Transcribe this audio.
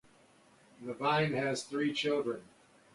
Levine has three children.